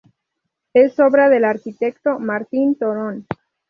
Es obra del arquitecto Martín Torón.